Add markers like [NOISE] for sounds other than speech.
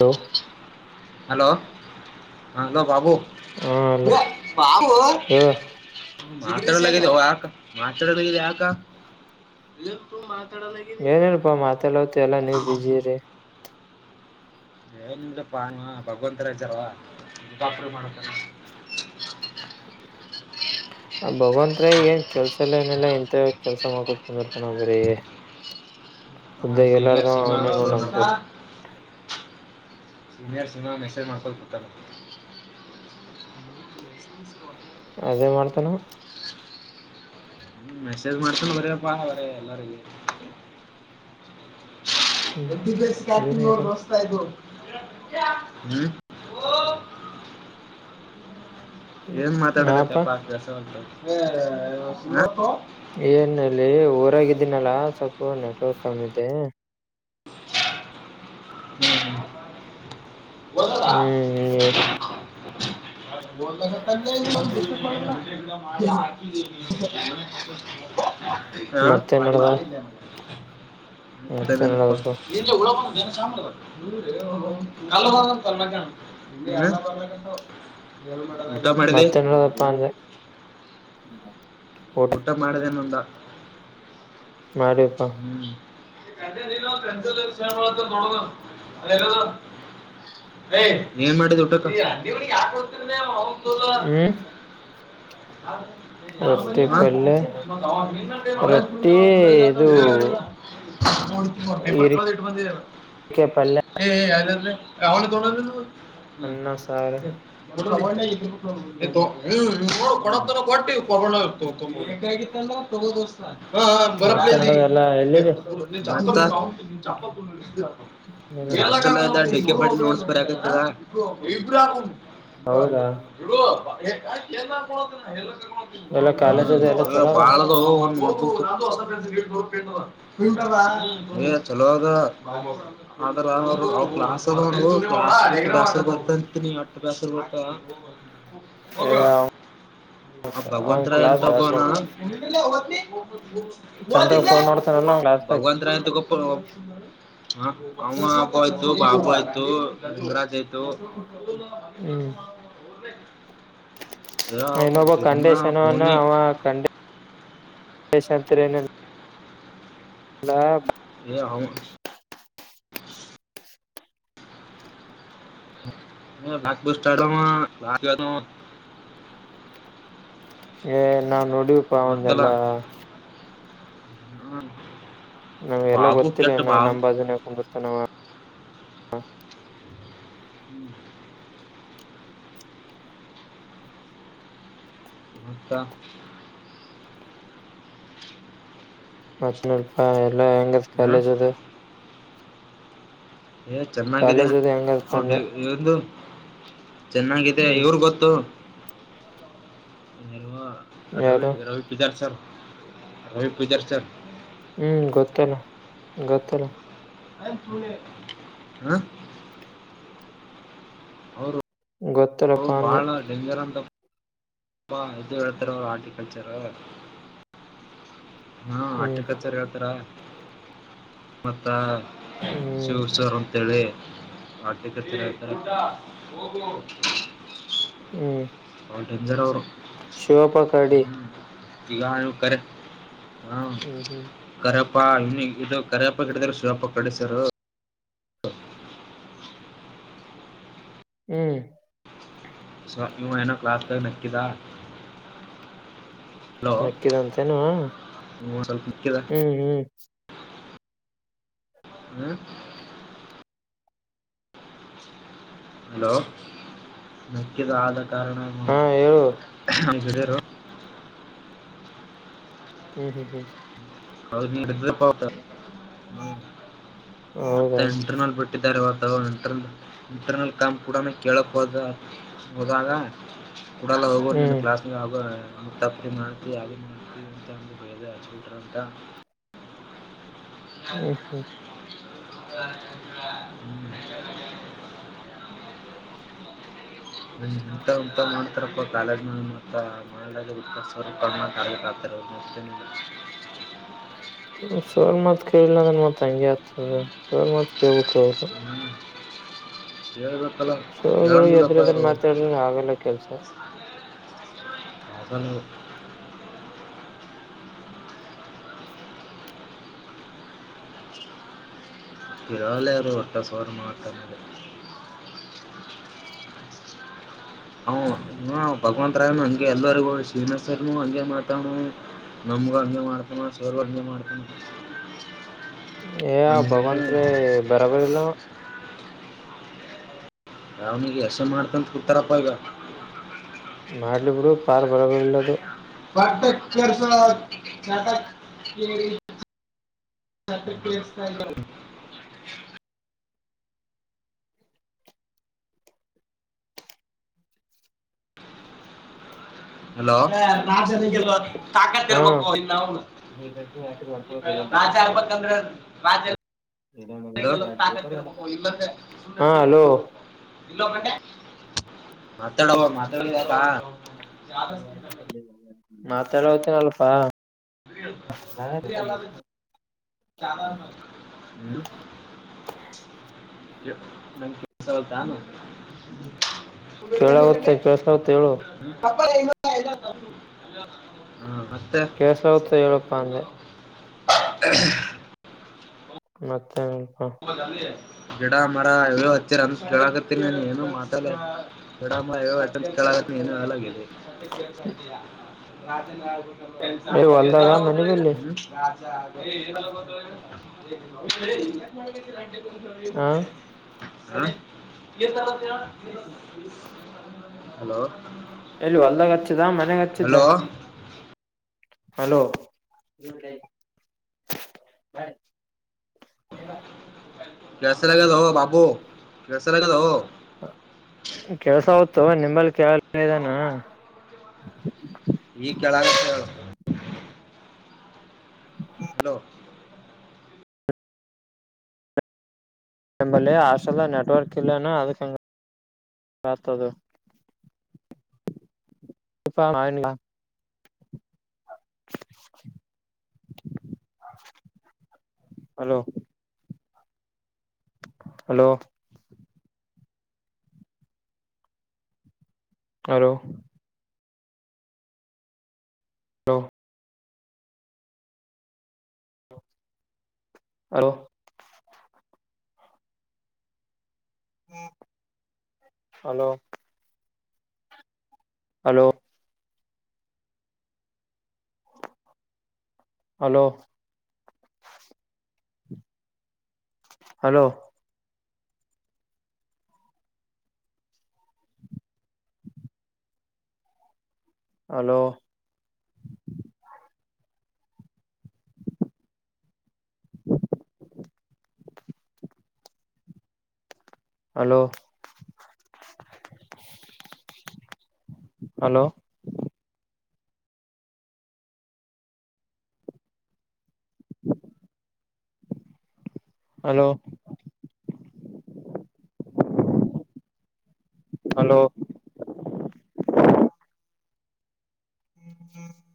Hello hello hello ಬಾಬೂಾ ಹಾ hello ಹೇಳು ಮಾತಾಡಲಾಗಿದೆ ಯಾಕ ಮಾತಾಡಲಾಗಿದೆ ಯಾಕ ಇಲ್ಲ ತು ಮಾತಾಡಲ್ಲಾ ಗಿ ಏನಿಲ್ಲಪ್ಪ ಮಾತಾಡೋಲತಿ ಎಲ್ಲಾ ನೀವ್ ಬಿಜಿ ಇರಿ. ದೇ ನಿಮ್ದಪ್ಪಾನುವ ಭಗವಂತರ ಜಾರವಾಾ ಮಾಡ [INAUDIBLE] [INAUDIBLE] ಭಗವಂತರಾಯ ಏನ್ ಕೆಲ್ಸ ಎಲ್ಲ ಏನಲ್ಲಾ ಇಂತ ಕೆಲ್ಸ ಮಾಡ್ಕೊತ್ಕೊಂಡಂಬಿರ್ತ ನಾ ಬರೇ‌ ಹಾ ಉದ್ದ ಸೀನಿಯರ್ ಎಲ್ಲಾರ್ದ ಸಿನಿಮಾ ಅವನೇ ನೋಡಬಲ್ಲಿ ಸಿನಿಯರ್ ಸಿಮಾ ಮೆಸೇಜ್ ಮಾಡ್ಕೊತ ಕುತ್ತಾನ. ಅದೇ ಮಾಡ್ತಾನು. ಮೆಸ್ಸೇಜ್ ಮಾಡ್ತನ ಬರೆಪ್ಪಾ ಬರೆ ಎಲ್ಲರಿಗಿ ಹ್ಮ್ ದೂನೇ ಅದಲ್ಲ [UNINTELLIGIBLE] ಹ್ಮ್ ಏನ್ ಹ್ಮ್ ಹಾಪಾ ಮಾತಾಡಕತ್ಯಪ್ಪ ಕೆಲ್ಸ ಉಂಟು [UNINTELLIGIBLE] ಏನಲ್ಲಿ ಊರಾಗಿದ್ದೀನಲ್ಲಾ ಸ್ವಲ್ಪ ನೆಟ್ವರ್ಕ್ ಕಮ್ಮಿದೆ. ಹ್ಮ್ ಹ್ಮ್ ವರದ ಹ್ಮ್ [UNINTELLIGIBLE] ಡಿಸ್ಮಿಸ್ ಮಾಡುದಿಲ್ಲ [UNINTELLIGIBLE] ಮತ್ತೆ ನಡ್ದ ಆ ಮತ್ತೆ ಮತ್ತೇನು ನಡದಪ್ಪ ಇಲ್ಲಪ್ಪ ಇಲ್ಲೇ ಉಳಬ [UNINTELLIGIBLE] ಎಲ್ಲ ಮಾಡಲ್ ಮತ್ತೇನ್ ನಡದಪ್ಪಾ ಅಂದೆ ಊಟ ಮಾಡದೇನೊಂದ ನೋಡಿಯಪ್ಪ ಹ್ಮ್ [UNINTELLIGIBLE] ಏನ್ ಮಾಡಿದ್ ಊಟಕ್ಕ [UNINTELLIGIBLE] [UNINTELLIGIBLE] ಹ್ಮ್ ರೊಟ್ಟಿ ಪಲ್ಯ ಆ ರೊಟ್ಟಿ [UNINTELLIGIBLE] ಇದು ನೋ ನೋ ಪೇಪರ್ ಕಳೆದಿಟ್ಟ್ ಇಟ್ಟು ಬಂದಿರೆಲ್ಲ. ಇರಿಕೆ ಪಲ್ಯ [UNINTELLIGIBLE] ಹ್ಮ್ ಅನ್ನ ಸಾರ ಹ್ಮ್ ನೋಡು ಕೊಡತ ಕೊಟ್ಟಿ [UNINTELLIGIBLE] ಎಲ್ಲೋ ತಗೋದು ಬಾ ಹ ಬರದ್ ಮತ್ತೆ ಬಂದಿ ನಡದ ಎಲ್ಲಾ ಎಲ್ಲಿದೆ [UNINTELLIGIBLE] ಏನಲ್ಪ ಅಕ್ಟುಲಿ ಅದ ಡಿ ಕೆ [UNINTELLIGIBLE] ನೋಟ್ಸ್ ಬರ್ಯಾಕತ್ತಿರ. ಬಿಡು ಹೌದಾ [UNINTELLIGIBLE] ಎಲ್ಲ ಹ್ಮ ಕಾಲೇಜ್ ಅದ ಎಲ್ಲ ಅಲೆಲ್ಲ ಚಲೋ ಅದ ಬಾಳ ಅದಾವೋ ಒಂದ್ [UNINTELLIGIBLE] ಹ್ಮ್ ಚಲೋ ಅದ ಆದ್ರ [UNINTELLIGIBLE] ಅವ್ರ್ ಕ್ಲಾಸ್ ಅದ ಅವ್ರುದು ಕ್ಲಾಸ್ ಬ್ಯಾಸರ ಬ ಅಂತ ನೀ ಒಟ್ಟ ಬ್ಯಾಸರ್ ಬರ್ತ ಎಯಾವ್ ಆ ಭಗವಂತರ ಎಂತ ಒಬ್ಬ ಬ್ಯಾಸ್ ನಾನು ಚಂದಾಗ ಫೋನ್ ನೋಡ್ತಾನಲ್ಲ ಅವ್ ಕ್ಲಾಸ್ದಾಗ ಭಗವನ್ ಆತು ಅಮ್ಮ ಅಪ್ಪ ಆಯ್ತು ಬಾಪು ಆಯ್ತು ಗುರಾಜ್ ಆಯ್ತು ತ [INAUDIBLE] ಹ್ಮ್ ಇನೊಬ್ಬ ಕಾಂಡೆಷನ್ ಫೋನೆ ಅವ ಕಾಂಡೆ ಹ ಹ ಲಾಗಭ ಸ್ಟಾ [UNINTELLIGIBLE] ನಾವ್ ನೋಡಿವಿ ಬತ್ತಲ ಹ್ಮ ನಾಮ್ಗಲ್ಲ ಗೊತ್ತಿಲ್ಲ ಇನ ನಮ್ಮ ಬಾಜು ನೆ ಕುಂಡ್ರುತನವಾ ಹ್ಮ್ [INAUDIBLE] ಮತ್ತ ಮತ್ ನೋಡಪ್ಪ ಎಲ್ಲ ಹೆಂಗದ ಹಾ ಕಾಲೇಜ್ ಅದು ಏ ಚೆನ್ನಾಗಿದೆ ಕಾಲೇಜ್ ಅದು ಹೆಂಗದಪ ಅಂದೆ ಹೌದಲೆ ಇ್ದ ಚೆನ್ನಾಗಿದೆ ಹ್ಮ್ ಇವ್ರು ಗೊತ್ತು ಇವಾ ರವಿ ಯಾರು ರವಿ ಪೂಜಾರಿ ಸರ್ ರವಿ ಪೂಜಾರಿ ಸರ್ ಹ್ಮ್ ಗೊತ್ತಲ್ಲ ಗೊತ್ತಲ್ಲ ಅ ಹ ಹೌದು ಗೊತ್ತು ಬಹಳ ಡೆಂಜರ್ ಅಂತ ತುಂಬ ಇದು ಎಳ್ತಾರ ಹಾರ್ಟಿಕಲ ಟೀಚರ್ ಹಾ ಹ್ಮ್ ಆರ್ಟಿಕಲ ಟೀಚರ್ ಹೇಳ್ತಾರ ಮತ್ತ ಹ್ಮ್ ಕುಡಿಸರಂತ ಹೇಳಿ ಆಟ ಆತ [UNINTELLIGIBLE] ಹ್ಮ್ [INAUDIBLE] ಬಾಳ ಡೇಂಜರ್ ಅವರು ಶಿವಪ್ಪ ಕರಡಿ ಇಗ ಇವ ಕರೆಕ್ಟ್ ಹಾ ಹ್ಮ್ ಹ್ಮ್ [INAUDIBLE] ಕರಪ್ಪ ಇನ್ನು ಇದು ಕರಪ್ಪ ಕಿಡಿದ್ರ ಶಿವಪ್ಪ ಕರಡಿ ಸರ್ ಹ್ಮ್ ಸರ್ ಇವ ಏನೋ ಕ್ಲಾಸ್ನಗ ನಕ್ಕಿಲಾ ಹಲೋ ಮೆಕ್ಕಿದಂತೇನು ಇವ ಸ್ವಲ್ಪ ಹೂ ಹ್ಮ್ ಹ [UNINTELLIGIBLE] ಹಲೋ ನಕ್ಕಿದ ಆದ ಕಾರಣ ನಮ್ಮ ಹಾ ಹೇಳು ಹಿರಿಯರು ಹ್ಮ್ ಹ್ಮ್ ಹ್ಮ್ [INAUDIBLE] ಹೌದು ನಿ ಇದ್ದೀಪಾ ಅವತ್ತ ಹ್ಮ ಹೌದಾ ಇಂಟರ್ನಲ್ ಬಿಟ್ಟ ಟ್ಟ ಇಂಟರ್ನಲ್ ಇಂಟರ್ನಲ್ ಕಾಮ್ ಕೂಡ ಕೇಳಕ್ ಹೋದರ ಹೋದಾಗ ಕೂಡಲ್ಲ ಹೋಗೋ ನಿನ್ನ ಹ್ಮ್ ಕ್ಲಾಸ್ನೆಗ ತಪ್ಪು ಮಾಡ್ತಿ ಅದು ಮಾಡ್ತಿ ಬೈದ ಹ [UNINTELLIGIBLE] ಹು ಹು ಹ ಬರೀ ಇಂಥವ ಇಂಥವ ನೋಡಿ ಕರ್ಕೋ ಕಾಲೇಜಿನಗ ಮಾಡದ ಮಾತೇನಿಲ್ಲ ಸರ್ ಮಾತು ಕೇಳಿಲ್ಲ ಅಂದರೆ ಮತ್ತೆ ಹಾಗೆ ಆಗುತ್ತೆ ಸರ್ ಮಾತು ಕೇಳಬೇಕು ಹ್ಮ ಹೇಳ್ಬೇಕಲ್ಲ ಹೇಳಂಗಿಲ್ಲಪ್ಪ ಇವ್ರು ಇನ್ನು ಆಗಲ್ಲ ಕೆಲ್ಸ ಬಂದ್ವಿ ಕೇಳಲ್ಲ ಇವರು ಸರ್ ಮಾತು ಅವ್ ಇವ ಭಗವಂತ್ ರಾಯ್ನು ಹಗೆ ಎಲ್ಲರಿಗೂ ಶ್ರೀನಾಥ್ ಸರ್ನು ಹಂಗೆ ಮಾತಾನು ನಮ್ಗೂ ಹಂಗೆ ಮಾಡ್ತಾನ ಸರ್ ಗೆ ಹಂಗೆ ಮಾಡ್ತಾನ ಏ ಅವನಿಗೆ ಭಗವತ್ರಿ ಬರಬರಿ ಇಲ್ಲ ಅವನು ಅವ್ನಿಗೆ ಅಸಯ್ಯ ಮಾಡಕೊಂತ ಕುತಾರಪ್ಪ ಈಗ ಮಾಡ್ಲಿ ಬಿಡು ಪಾರ್ ಬರಬರಿಲ್ಲದು ಪಾಟ ಕೆರ್ಸ ನಾಟ ಹಕ್ಕೆ ಎಸ್ತ ಹಲೋ ನಾ ತಾಕತ್ ಹಾ ಇರ್ಬೇಕು ನಿನ್ನವನು ರಾಜ ಆಗಬೇಕಂದ್ರ ರಾಜ, ಹಲೋ, ಇಲ್ಲಾಂದ್ರೆ ಸುಮ್ನೆ ಹಾ ಅಲೋ ಬಿಟ್ಟುಬಿಡಬೇಕು ಮಾತಾಡೋಗು ಮಾತಾಡೋದಾಯ್ತ ಮಾತಾಡೋತನ ಅಲ್ಪಾ ಇದ್ರೆ ಎಲ್ಲಾದ್ರೂ ಹ್ಮ್ ನಮ್ ಕೆಸವ ತಾನು ಕೇಳಾಗುತ್ತ ಕೆೇಳಸಗುತ್ತ ಹೇಳು [INAUDIBLE] ಕೆಲ್ಸವಾತ ಹೇಳಪ್ಪಾ ಅಂದೆ. [INAUDIBLE] ಮತ್ತೇನಿಲ್ಪ. ಗಿಡ ಮರ ಏನೇನೋ ಹಚ್ಚಿರಿ ಅಂತ ಕೆಲಕತ್ತಿನಿ ನಾನ್ ಏನು ಮಾತಾಡಿಲ್ಲ ಗಿಡ ಮರ [UNINTELLIGIBLE] ಕೆಲಕತ್ತಿನಿ ಏನು ಹೇಳಲ್ಲಲಾಗಿದಿ. [INAUDIBLE] ಏ ಹೊಲ್ದಾಗ ಮನಿ ಬಲ್ಲಿ [INAUDIBLE] ಹ ಹಲೋ. ಎಲ್ಲಿ ಹೊಲ್ದಗ್ ಹಚ್ಚಿದ ಮನ್ಯಾಗ ಹಚ್ಚಿದ್ದ? Hello hello. ಕೆಲಸಲ್ಲಆಗೇದೋ ಬಾಬು ಕೆಲಸಲ್ಲಆಗೇದೋ. ಕೆಲ್ಸಾವಾತೋ ನಿಮಲ್ಲಿ ಕೇಳಾಕ್ ಹೇಳಿದಾನ. ಈಗ ಕೇಳಾಗ್ತದ. [INAUDIBLE] ಹಲೋ. ನಂಬಲ್ಲಿ ಹಾಷ್ಟೆಲ್ದಾಗ ನೆಟ್ವರ್ಕ್ ಇಲ್ಲೇನ ಅದಕ್ಕ ಹಂಗ ಆಗ್ತದ. [INAUDIBLE] Hello. Hello. Hello. Hello. Hello. Hello. Hello. Hello. Hello. Hello. Hello. Hello. [INAUDIBLE] Hello. Hello. [INAUDIBLE]